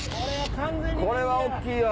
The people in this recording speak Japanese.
これは大っきいよ！